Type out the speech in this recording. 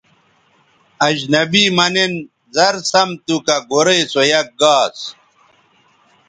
اجنبی مہ نِن زر سَم تھو کہ گورئ سو یک گاس